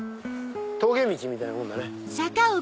峠道みたいなもんだね。